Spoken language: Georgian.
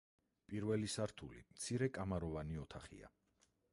პირველი სართული მცირე კამაროვანი ოთახია.